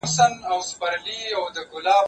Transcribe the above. زه پرون کتاب وليکه!.